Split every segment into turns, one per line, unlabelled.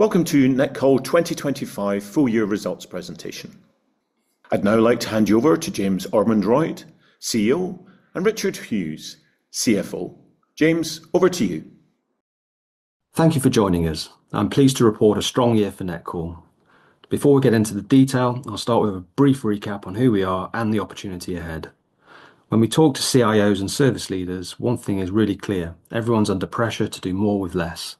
Welcome to Netcall 2025 full year results presentation. I'd now like to hand you over to James Ormondroyd, CEO, and Richard Hughes, CFO. James, over to you.
Thank you for joining us. I'm pleased to report a strong year for Netcall. Before we get into the detail, I'll start with a brief recap on who we are and the opportunity ahead. When we talk to CIOs and service leaders, one thing is really clear: everyone's under pressure to do more with less.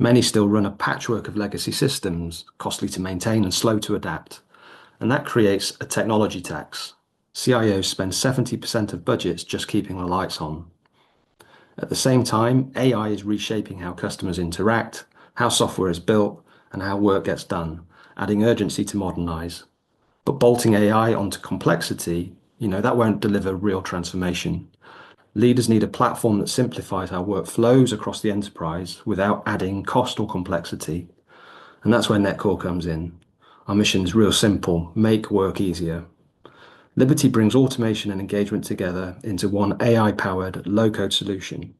Many still run a patchwork of legacy systems, costly to maintain and slow to adapt, and that creates a technology tax. CIOs spend 70% of budgets just keeping the lights on. At the same time, AI is reshaping how customers interact, how software is built, and how work gets done, adding urgency to modernize. But bolting AI onto complexity, you know, that won't deliver real transformation. Leaders need a platform that simplifies our workflows across the enterprise without adding cost or complexity. And that's where Netcall comes in. Our mission is real simple: make work easier. Liberty brings automation and engagement together into one AI-powered, low-code solution,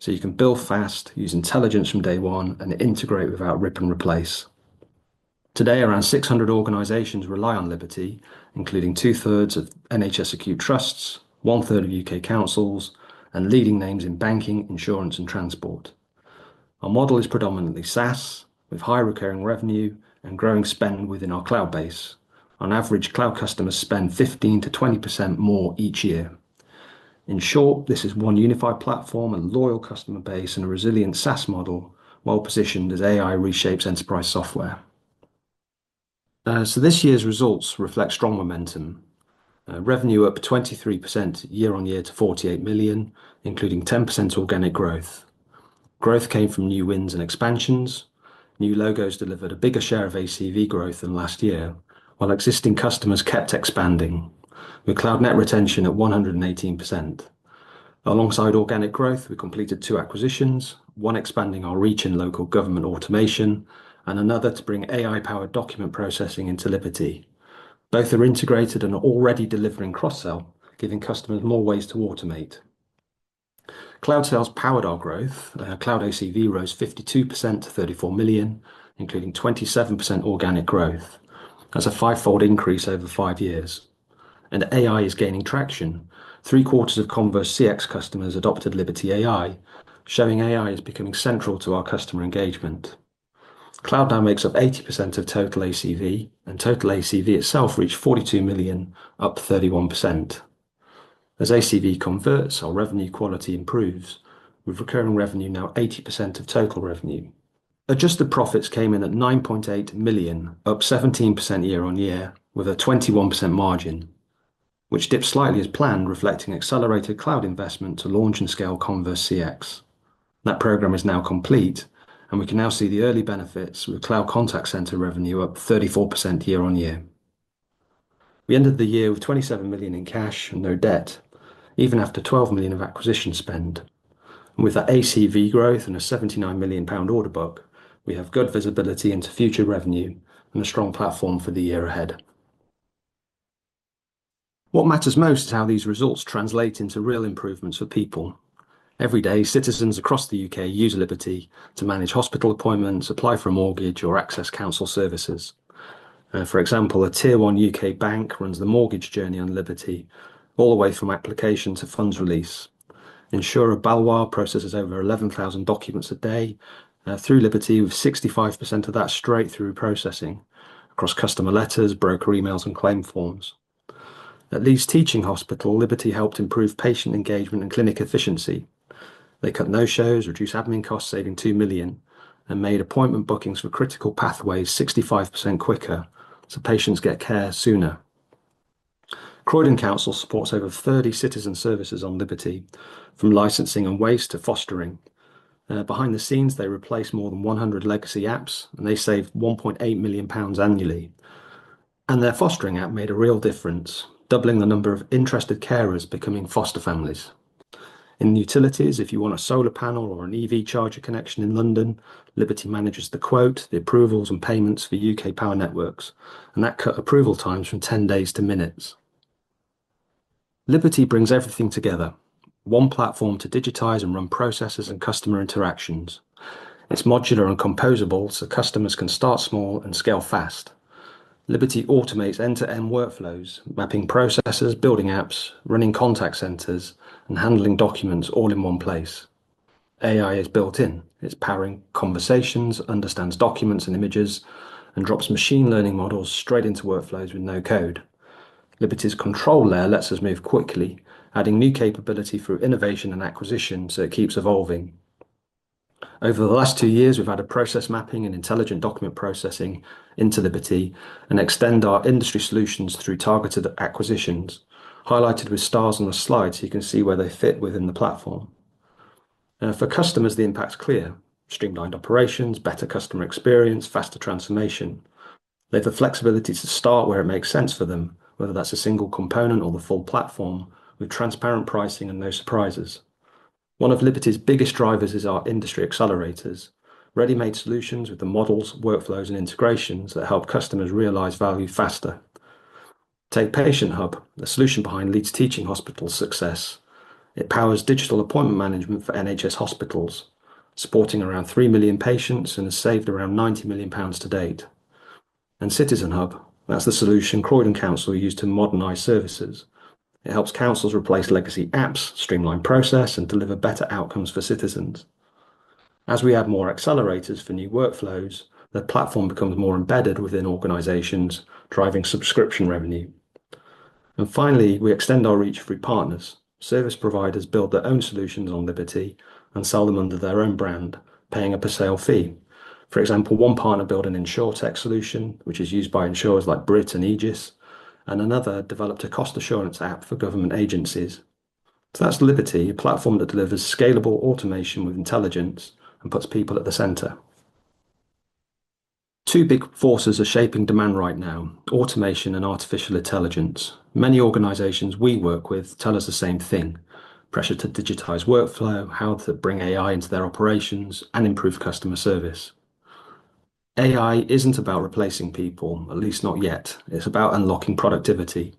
so you can build fast, use intelligence from day one, and integrate without rip and replace. Today, around 600 organizations rely on Liberty, including two-thirds of NHS acute trusts, one-third of U.K. councils, and leading names in banking, insurance, and transport. Our model is predominantly SaaS, with high recurring revenue and growing spend within our cloud base. On average, cloud customers spend 15%-20% more each year. In short, this is one unified platform, a loyal customer base, and a resilient SaaS model, well-positioned as AI reshapes enterprise software. So this year's results reflect strong momentum. Revenue up 23% year on year to 48 million, including 10% organic growth. Growth came from new wins and expansions. New logos delivered a bigger share of ACV growth than last year, while existing customers kept expanding. We're Cloud Net Retention at 118%. Alongside organic growth, we completed two acquisitions, one expanding our reach in local government automation and another to bring AI-powered document processing into Liberty. Both are integrated and already delivering cross-sell, giving customers more ways to automate. Cloud sales powered our growth. Cloud ACV rose 52% to 34 million, including 27% organic growth. That's a five-fold increase over five years. And AI is gaining traction. Three-quarters of Converse CX customers adopted Liberty AI, showing AI is becoming central to our customer engagement. Cloud now makes up 80% of total ACV, and total ACV itself reached 42 million, up 31%. As ACV converts, our revenue quality improves, with recurring revenue now 80% of total revenue. Adjusted profits came in at 9.8 million, up 17% year on year, with a 21% margin, which dips slightly as planned, reflecting accelerated cloud investment to launch and scale Converse CX. That program is now complete, and we can now see the early benefits with cloud contact center revenue up 34% year on year. We ended the year with 27 million in cash and no debt, even after 12 million of acquisition spend. With that ACV growth and a 79 million pound order book, we have good visibility into future revenue and a strong platform for the year ahead. What matters most is how these results translate into real improvements for people. Every day, citizens across the UK use Liberty to manage hospital appointments, apply for a mortgage, or access council services. For example, a tier one UK bank runs the mortgage journey on Liberty, all the way from application to funds release. Insurer Baloise processes over 11,000 documents a day through Liberty, with 65% of that straight through processing across customer letters, broker emails, and claim forms. Leeds Teaching Hospitals, Liberty helped improve patient engagement and clinic efficiency. They cut no-shows, reduced admin costs, saving 2 million, and made appointment bookings for critical pathways 65% quicker, so patients get care sooner. Croydon Council supports over 30 citizen services on Liberty, from licensing and waste to fostering. Behind the scenes, they replace more than 100 legacy apps, and they save 1.8 million pounds annually, and their fostering app made a real difference, doubling the number of interested carers becoming foster families. In utilities, if you want a solar panel or an EV charger connection in London, Liberty manages the quote, the approvals, and payments for UK Power Networks, and that cut approval times from 10 days to minutes. Liberty brings everything together: one platform to digitize and run processes and customer interactions. It's modular and composable, so customers can start small and scale fast. Liberty automates end-to-end workflows, mapping processes, building apps, running contact centers, and handling documents all in one place. AI is built in. It's powering conversations, understands documents and images, and drops machine learning models straight into workflows with no code. Liberty's control layer lets us move quickly, adding new capability through innovation and acquisition, so it keeps evolving. Over the last two years, we've added process mapping and intelligent document processing into Liberty and extend our industry solutions through targeted acquisitions, highlighted with stars on the slide, so you can see where they fit within the platform. For customers, the impact's clear: streamlined operations, better customer experience, faster transformation. They have the flexibility to start where it makes sense for them, whether that's a single component or the full platform, with transparent pricing and no surprises. One of Liberty's biggest drivers is our industry accelerators, ready-made solutions with the models, workflows, and integrations that help customers realize value faster. Take Patient Hub, the solution behind Leeds Teaching Hospitals success. It powers digital appointment management for NHS hospitals, supporting around three million patients and has saved around 90 million pounds to date, and Citizen Hub, that's the solution Croydon Council used to modernize services. It helps councils replace legacy apps, streamline process, and deliver better outcomes for citizens. As we add more accelerators for new workflows, the platform becomes more embedded within organizations, driving subscription revenue, and finally, we extend our reach for partners. Service providers build their own solutions on Liberty and sell them under their own brand, paying a per sale fee. For example, one partner built an insurtech solution, which is used by insurers like Brit and Ageas, and another developed a cost assurance app for government agencies, so that's Liberty, a platform that delivers scalable automation with intelligence and puts people at the center. Two big forces are shaping demand right now: automation and artificial intelligence. Many organizations we work with tell us the same thing: pressure to digitize workflow, how to bring AI into their operations, and improve customer service. AI isn't about replacing people, at least not yet. It's about unlocking productivity.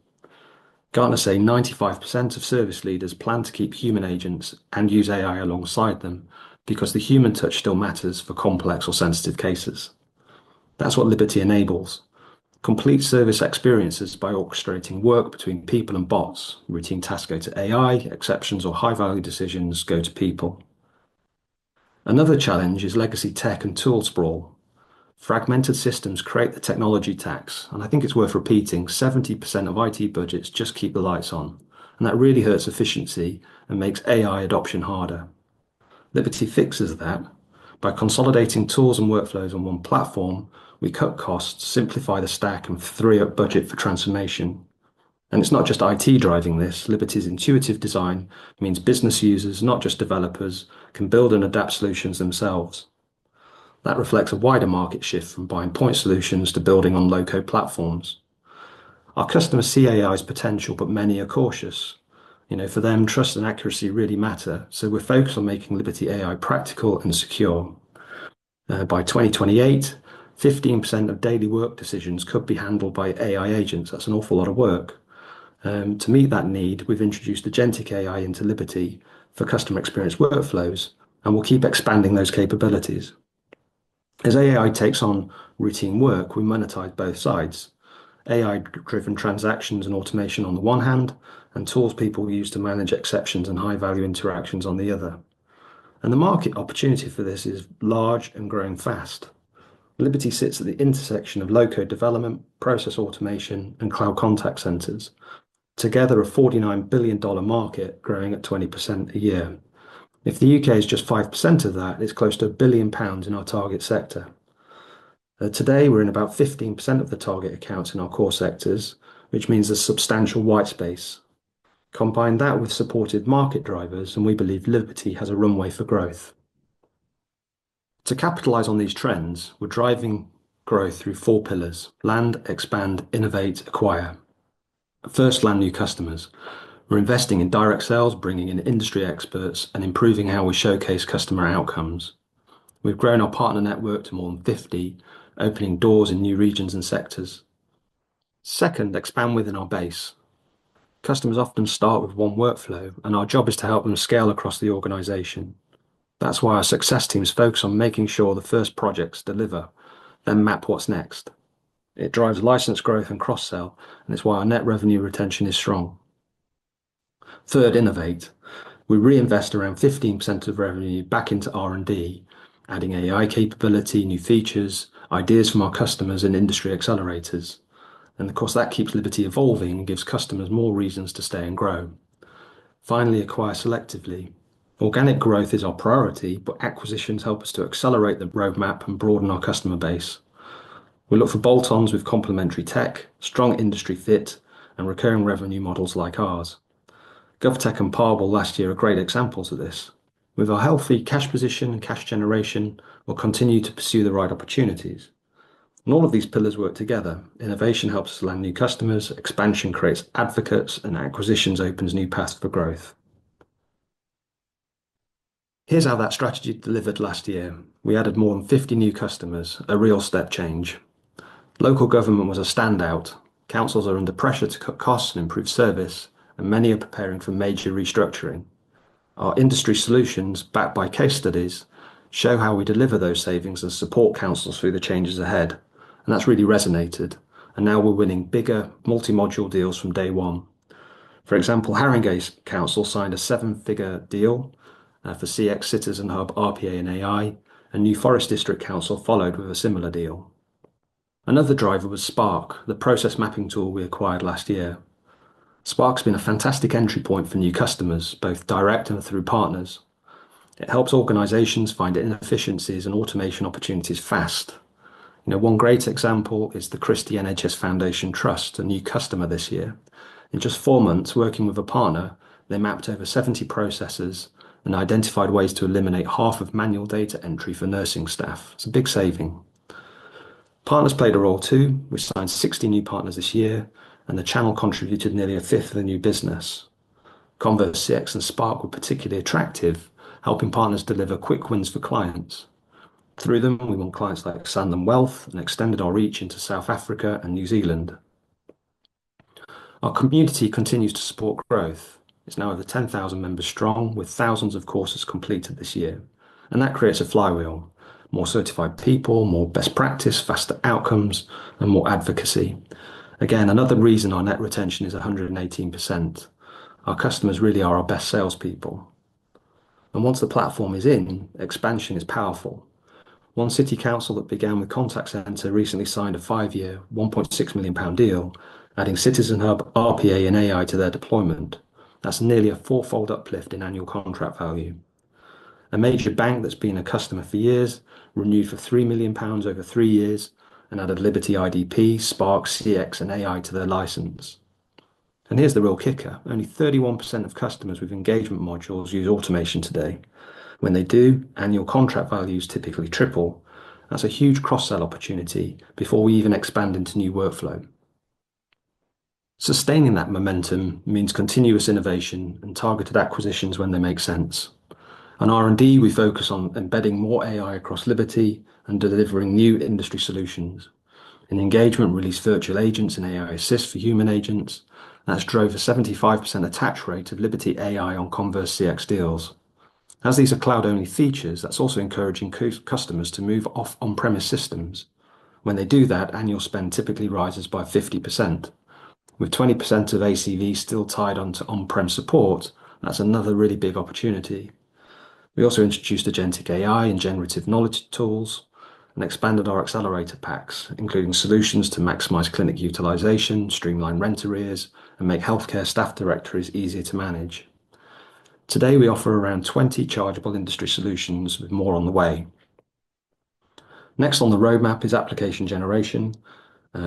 Gartner say 95% of service leaders plan to keep human agents and use AI alongside them because the human touch still matters for complex or sensitive cases. That's what Liberty enables: complete service experiences by orchestrating work between people and bots. Routine tasks go to AI. Exceptions or high-value decisions go to people. Another challenge is legacy tech and tool sprawl. Fragmented systems create the technology tax, and I think it's worth repeating: 70% of IT budgets just keep the lights on, and that really hurts efficiency and makes AI adoption harder. Liberty fixes that by consolidating tools and workflows on one platform. We cut costs, simplify the stack, and free up budget for transformation and it's not just IT driving this. Liberty's intuitive design means business users, not just developers, can build and adapt solutions themselves. That reflects a wider market shift from buying point solutions to building on low-code platforms. Our customers see AI's potential, but many are cautious. You know, for them, trust and accuracy really matter, so we're focused on making Liberty AI practical and secure. By 2028, 15% of daily work decisions could be handled by AI agents. That's an awful lot of work. To meet that need, we've introduced agentic AI into Liberty for customer experience workflows, and we'll keep expanding those capabilities. As AI takes on routine work, we monetize both sides: AI-driven transactions and automation on the one hand, and tools people use to manage exceptions and high-value interactions on the other. And the market opportunity for this is large and growing fast. Liberty sits at the intersection of low-code development, process automation, and cloud contact centers, together a $49 billion market growing at 20% a year. If the U.K. is just 5% of that, it's close to 1 billion pounds in our target sector. Today, we're in about 15% of the target accounts in our core sectors, which means a substantial white space. Combine that with supported market drivers, and we believe Liberty has a runway for growth. To capitalize on these trends, we're driving growth through four pillars: land, expand, innovate, acquire. First, land new customers. We're investing in direct sales, bringing in industry experts, and improving how we showcase customer outcomes. We've grown our partner network to more than 50, opening doors in new regions and sectors. Second, expand within our base. Customers often start with one workflow, and our job is to help them scale across the organization. That's why our success teams focus on making sure the first projects deliver, then map what's next. It drives license growth and cross-sell, and it's why our net revenue retention is strong. Third, innovate. We reinvest around 15% of revenue back into R&D, adding AI capability, new features, ideas from our customers, and industry accelerators. And of course, that keeps Liberty evolving and gives customers more reasons to stay and grow. Finally, acquire selectively. Organic growth is our priority, but acquisitions help us to accelerate the roadmap and broaden our customer base. We look for bolt-ons with complementary tech, strong industry fit, and recurring revenue models like ours. Govtech and Parble last year are great examples of this. With our healthy cash position and cash generation, we'll continue to pursue the right opportunities. When all of these pillars work together, innovation helps us land new customers, expansion creates advocates, and acquisitions opens new paths for growth. Here's how that strategy delivered last year. We added more than 50 new customers, a real step change. Local government was a standout. Councils are under pressure to cut costs and improve service, and many are preparing for major restructuring. Our industry solutions, backed by case studies, show how we deliver those savings and support councils through the changes ahead, and that's really resonated, and now we're winning bigger multimodal deals from day one. For example, Haringey Council signed a seven-figure deal for CX Citizen Hub, RPA, and AI, and New Forest District Council followed with a similar deal. Another driver was Spark, the process mapping tool we acquired last year. Spark's been a fantastic entry point for new customers, both direct and through partners. It helps organizations find inefficiencies and automation opportunities fast. You know, one great example is The Christie NHS Foundation Trust, a new customer this year. In just four months, working with a partner, they mapped over 70 processes and identified ways to eliminate half of manual data entry for nursing staff. It's a big saving. Partners played a role too. We signed 60 new partners this year, and the channel contributed nearly a fifth of the new business. Converse CX and Spark were particularly attractive, helping partners deliver quick wins for clients. Through them, we won clients like Sanlam Wealth and extended our reach into South Africa and New Zealand. Our community continues to support growth. It's now over 10,000 members strong, with thousands of courses completed this year. And that creates a flywheel: more certified people, more best practices, faster outcomes, and more advocacy. Again, another reason our net retention is 118%. Our customers really are our best salespeople. And once the platform is in, expansion is powerful. One city council that began with contact center recently signed a five-year, 1.6 million pound deal, adding Citizen Hub, RPA, and AI to their deployment. That's nearly a four-fold uplift in annual contract value. A major bank that's been a customer for years renewed for 3 million pounds over three years and added Liberty IDP, Spark, CX, and AI to their license. And here's the real kicker: only 31% of customers with engagement modules use automation today. When they do, annual contract values typically triple. That's a huge cross-sell opportunity before we even expand into new workflow. Sustaining that momentum means continuous innovation and targeted acquisitions when they make sense. On R&D, we focus on embedding more AI across Liberty and delivering new industry solutions. In engagement, we release virtual agents and AI Assist for human agents. That's drove a 75% attach rate of Liberty AI on Converse CX deals. As these are cloud-only features, that's also encouraging customers to move off on-premise systems. When they do that, annual spend typically rises by 50%, with 20% of ACV still tied onto on-prem support. That's another really big opportunity. We also introduced agentic AI and generative knowledge tools and expanded our accelerator packs, including solutions to maximize clinic utilization, streamline rent arrears, and make healthcare staff directories easier to manage. Today, we offer around 20 chargeable industry solutions, with more on the way. Next on the roadmap is application generation.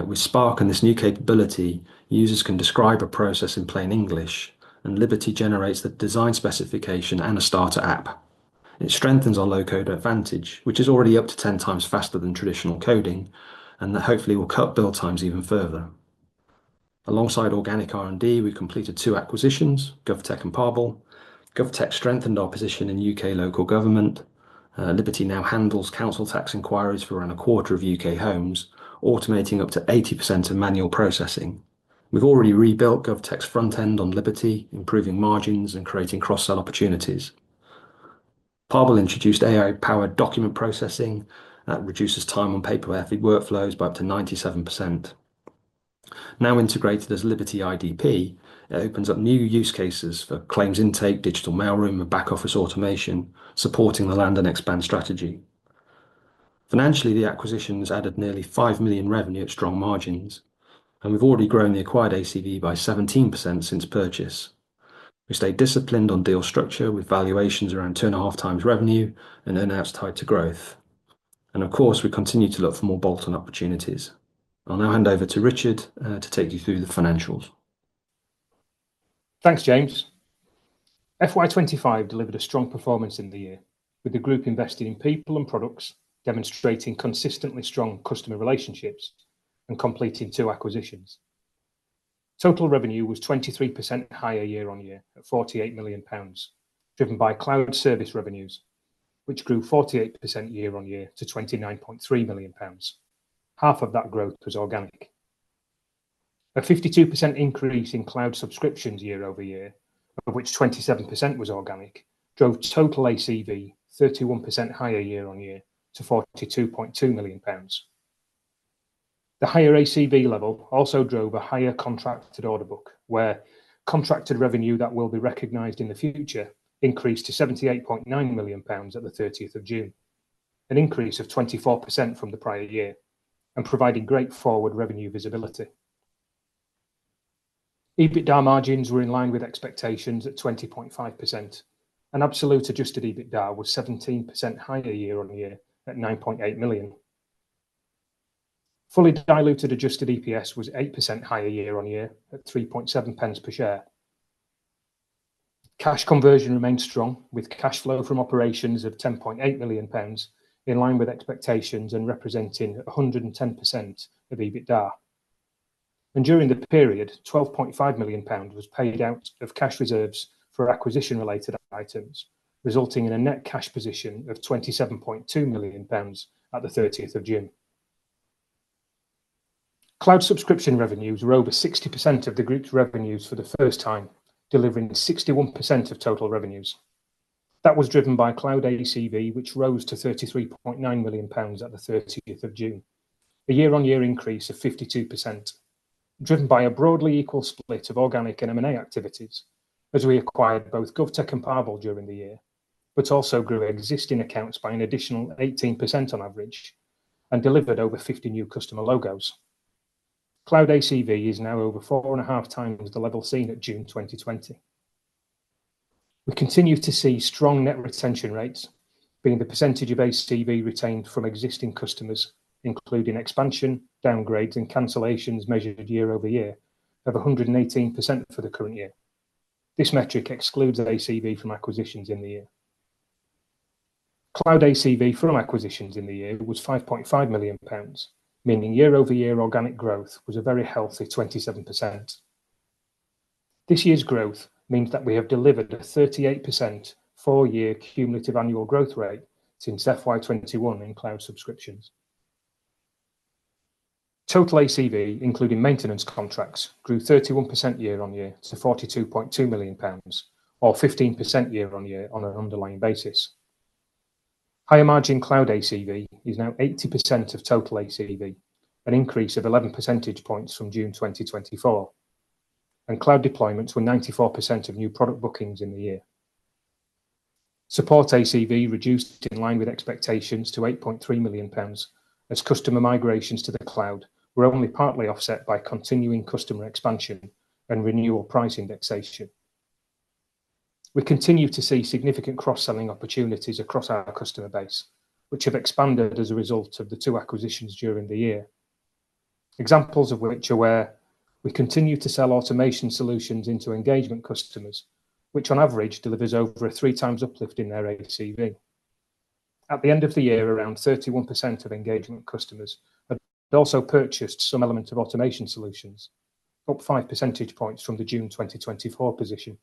With Spark and this new capability, users can describe a process in plain English, and Liberty generates the design specification and a starter app. It strengthens our low-code advantage, which is already up to 10 times faster than traditional coding, and that hopefully will cut build times even further. Alongside organic R&D, we completed two acquisitions: Govtech and Parble. Govtech strengthened our position in U.K. local government. Liberty now handles council tax inquiries for around a quarter of U.K. homes, automating up to 80% of manual processing. We've already rebuilt Govtech's front end on Liberty, improving margins and creating cross-sell opportunities. Parble introduced AI-powered document processing that reduces time on paperwork workflows by up to 97%. Now integrated as Liberty IDP, it opens up new use cases for claims intake, digital mailroom, and back office automation, supporting the land and expand strategy. Financially, the acquisitions added nearly 5 million revenue at strong margins, and we've already grown the acquired ACV by 17% since purchase. We stayed disciplined on deal structure with valuations around two and a half times revenue and earnings tied to growth, and of course, we continue to look for more bolt-on opportunities. I'll now hand over to Richard to take you through the financials.
Thanks, James. FY25 delivered a strong performance in the year, with the group investing in people and products, demonstrating consistently strong customer relationships and completing two acquisitions. Total revenue was 23% higher year on year at 48 million pounds, driven by cloud service revenues, which grew 48% year on year to 29.3 million pounds. Half of that growth was organic. A 52% increase in cloud subscriptions year over year, of which 27% was organic, drove total ACV 31% higher year on year to 42.2 million pounds. The higher ACV level also drove a higher contracted order book, where contracted revenue that will be recognized in the future increased to GBP 78.9 million at the 30th of June, an increase of 24% from the prior year and providing great forward revenue visibility. EBITDA margins were in line with expectations at 20.5%. An absolute adjusted EBITDA was 17% higher year on year at 9.8 million. Fully diluted adjusted EPS was 8% higher year on year at 0.037 per share. Cash conversion remained strong, with cash flow from operations of 10.8 million pounds in line with expectations and representing 110% of EBITDA, and during the period, 12.5 million pounds was paid out of cash reserves for acquisition-related items, resulting in a net cash position of 27.2 million pounds at the 30th of June. Cloud subscription revenues were over 60% of the group's revenues for the first time, delivering 61% of total revenues. That was driven by cloud ACV, which rose to GBP 33.9 million at the 30th of June, a year-on-year increase of 52%, driven by a broadly equal split of organic and M&A activities. As we acquired both Govtech and Parble during the year, but also grew existing accounts by an additional 18% on average and delivered over 50 new customer logos. Cloud ACV is now over four and a half times the level seen at June 2020. We continue to see strong net retention rates, being the percentage of ACV retained from existing customers, including expansion, downgrades, and cancellations measured year over year, of 118% for the current year. This metric excludes ACV from acquisitions in the year. Cloud ACV from acquisitions in the year was 5.5 million pounds, meaning year-over-year organic growth was a very healthy 27%. This year's growth means that we have delivered a 38% four-year cumulative annual growth rate since FY21 in cloud subscriptions. Total ACV, including maintenance contracts, grew 31% year on year to 42.2 million pounds, or 15% year on year on an underlying basis. Higher margin cloud ACV is now 80% of total ACV, an increase of 11 percentage points from June 2024, and cloud deployments were 94% of new product bookings in the year. Support ACV reduced in line with expectations to 8.3 million pounds as customer migrations to the cloud were only partly offset by continuing customer expansion and renewal price indexation. We continue to see significant cross-selling opportunities across our customer base, which have expanded as a result of the two acquisitions during the year. Examples of which are where we continue to sell automation solutions into engagement customers, which on average delivers over a three-times uplift in their ACV. At the end of the year, around 31% of engagement customers had also purchased some element of automation solutions, up five percentage points from the June 2024 position.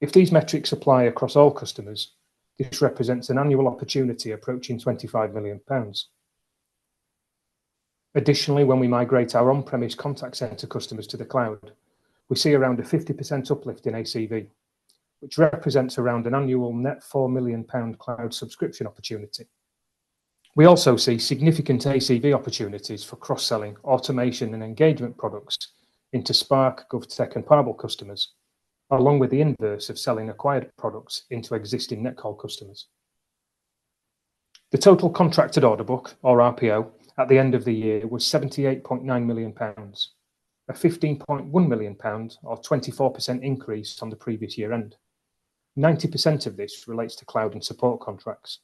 If these metrics apply across all customers, this represents an annual opportunity approaching 25 million pounds. Additionally, when we migrate our on-premise contact center customers to the cloud, we see around a 50% uplift in ACV, which represents around an annual net 4 million pound cloud subscription opportunity. We also see significant ACV opportunities for cross-selling automation and engagement products into Spark, Govtech, and Parble customers, along with the inverse of selling acquired products into existing Netcall customers. The total contracted order book, or RPO, at the end of the year was 78.9 million pounds, a 15.1 million pounds or 24% increase on the previous year-end. 90% of this relates to cloud and support contracts.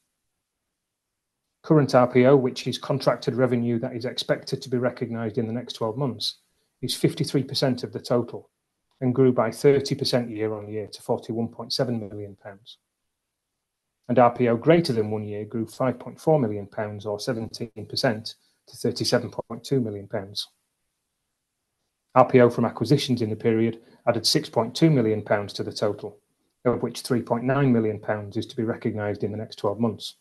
Current RPO, which is contracted revenue that is expected to be recognized in the next 12 months, is 53% of the total and grew by 30% year-on-year to 41.7 million pounds. And RPO greater than one year grew 5.4 million pounds or 17% to 37.2 million pounds. RPO from acquisitions in the period added 6.2 million pounds to the total, of which 3.9 million pounds is to be recognized in the next 12 months.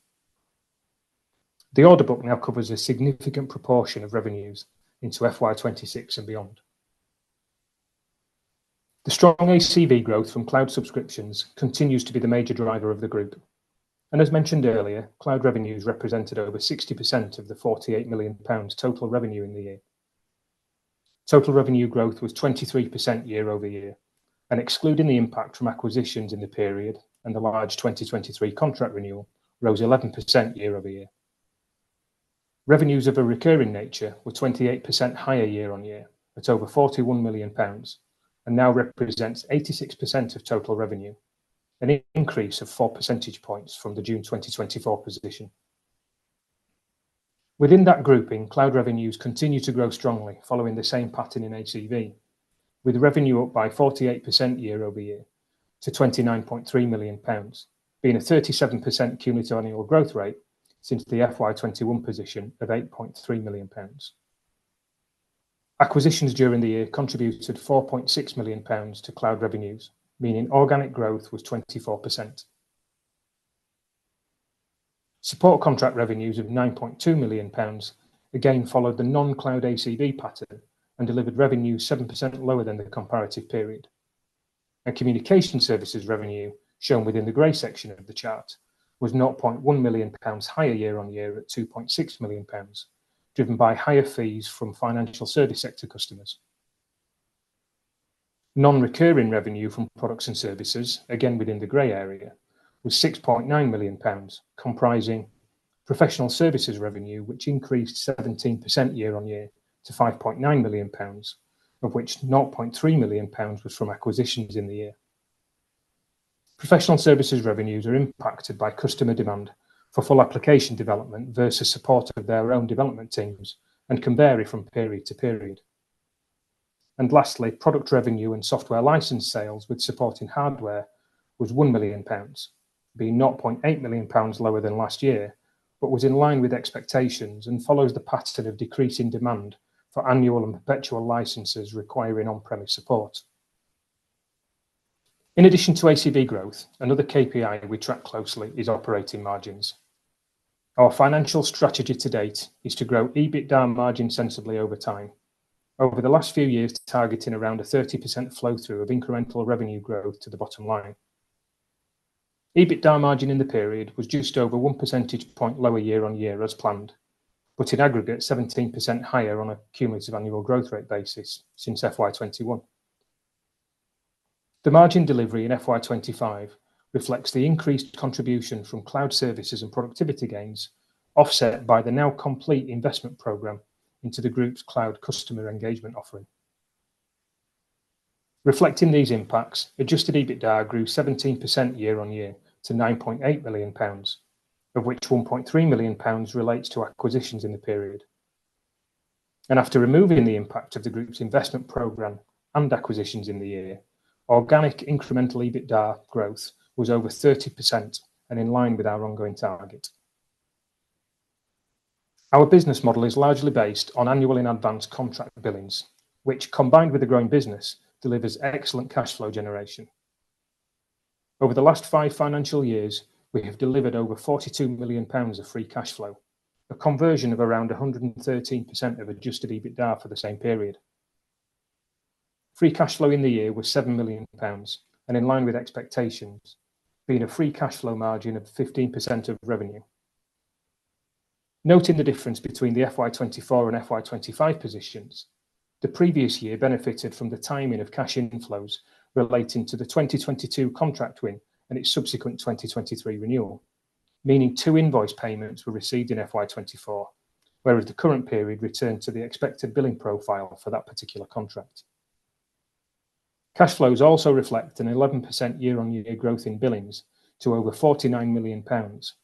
The order book now covers a significant proportion of revenues into FY26 and beyond. The strong ACV growth from cloud subscriptions continues to be the major driver of the group. And as mentioned earlier, cloud revenues represented over 60% of the 48 million pounds total revenue in the year. Total revenue growth was 23% year-over-year, and excluding the impact from acquisitions in the period and the large 2023 contract renewal, rose 11% year-over-year. Revenues of a recurring nature were 28% higher year-on-year at over 41 million pounds and now represent 86% of total revenue, an increase of four percentage points from the June 2024 position. Within that grouping, cloud revenues continue to grow strongly following the same pattern in ACV, with revenue up by 48% year-over-year to 29.3 million pounds, being a 37% cumulative annual growth rate since the FY 2021 position of 8.3 million pounds. Acquisitions during the year contributed 4.6 million pounds to cloud revenues, meaning organic growth was 24%. Support contract revenues of 9.2 million pounds again followed the non-cloud ACV pattern and delivered revenue 7% lower than the comparative period, and communication services revenue, shown within the gray section of the chart, was north 0.1 million pounds higher year-on-year at 2.6 million pounds, driven by higher fees from financial service sector customers. Non-recurring revenue from products and services, again within the gray area, was 6.9 million pounds, comprising professional services revenue, which increased 17% year-on-year to 5.9 million pounds, of which 0.3 million pounds was from acquisitions in the year. Professional services revenues are impacted by customer demand for full application development versus support of their own development teams and can vary from period to period. And lastly, product revenue and software license sales with supporting hardware was 1 million pounds, being 0.8 million pounds lower than last year, but was in line with expectations and follows the pattern of decreasing demand for annual and perpetual licenses requiring on-premise support. In addition to ACV growth, another KPI we track closely is operating margins. Our financial strategy to date is to grow EBITDA margin sensibly over time, over the last few years targeting around a 30% flow-through of incremental revenue growth to the bottom line. EBITDA margin in the period was just over one percentage point lower year-on-year as planned, but in aggregate 17% higher on a cumulative annual growth rate basis since FY 2021. The margin delivery in FY25 reflects the increased contribution from cloud services and productivity gains, offset by the now complete investment program into the group's cloud customer engagement offering. Reflecting these impacts, Adjusted EBITDA grew 17% year-on-year to 9.8 million pounds, of which 1.3 million pounds relates to acquisitions in the period. And after removing the impact of the group's investment program and acquisitions in the year, organic incremental EBITDA growth was over 30% and in line with our ongoing target. Our business model is largely based on annual in-advance contract billings, which, combined with the growing business, delivers excellent cash flow generation. Over the last five financial years, we have delivered over 42 million pounds of free cash flow, a conversion of around 113% of Adjusted EBITDA for the same period. Free cash flow in the year was 7 million pounds, and in line with expectations, being a free cash flow margin of 15% of revenue. Noting the difference between the FY24 and FY25 positions, the previous year benefited from the timing of cash inflows relating to the 2022 contract win and its subsequent 2023 renewal, meaning two invoice payments were received in FY24, whereas the current period returned to the expected billing profile for that particular contract. Cash flows also reflect an 11% year-on-year growth in billings to over 49 million pounds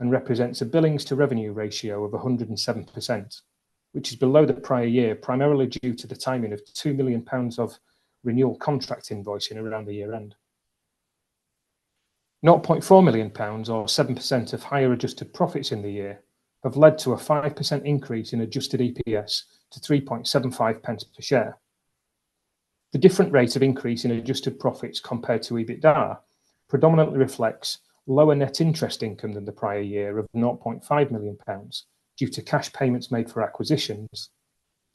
and represent a billings-to-revenue ratio of 107%, which is below the prior year primarily due to the timing of 2 million pounds of renewal contract invoicing around the year-end. 0.4 million pounds, or 7% of higher adjusted profits in the year, have led to a 5% increase in adjusted EPS to 0.0375 per share. The different rate of increase in adjusted profits compared to EBITDA predominantly reflects lower net interest income than the prior year of 0.5 million pounds due to cash payments made for acquisitions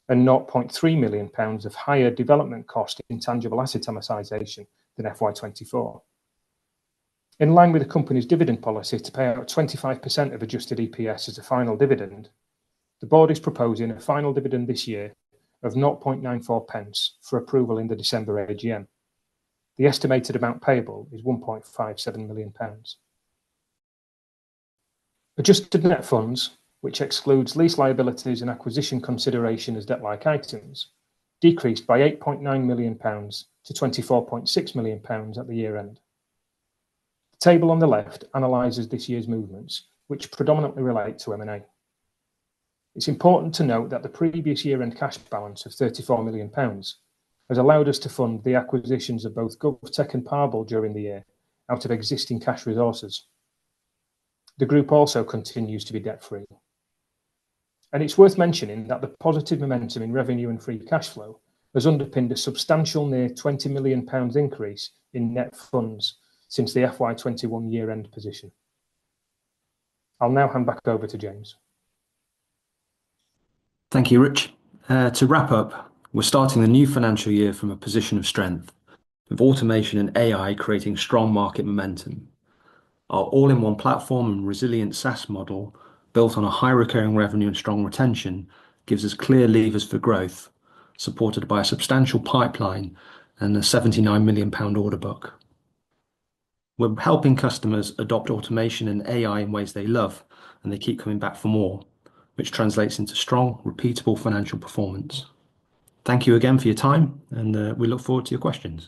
and 0.3 million pounds of higher development cost in tangible asset amortization than FY24. In line with the company's dividend policy to pay out 25% of adjusted EPS as a final dividend, the board is proposing a final dividend this year of 0.0094 for approval in the December AGM. The estimated amount payable is 1.57 million pounds. Adjusted net funds, which excludes lease liabilities and acquisition consideration as debt-like items, decreased by 8.9 million pounds to 24.6 million pounds at the year-end. The table on the left analyzes this year's movements, which predominantly relate to M&A. It's important to note that the previous year-end cash balance of 34 million pounds has allowed us to fund the acquisitions of both Govtech and Parble during the year out of existing cash resources. The group also continues to be debt-free. And it's worth mentioning that the positive momentum in revenue and free cash flow has underpinned a substantial near 20 million pounds increase in net funds since the FY21 year-end position. I'll now hand back over to James.
Thank you, Rich. To wrap up, we're starting the new financial year from a position of strength, with automation and AI creating strong market momentum. Our all-in-one platform and resilient SaaS model, built on a high recurring revenue and strong retention, gives us clear levers for growth, supported by a substantial pipeline and a 79 million pound order book. We're helping customers adopt automation and AI in ways they love, and they keep coming back for more, which translates into strong, repeatable financial performance. Thank you again for your time, and we look forward to your questions.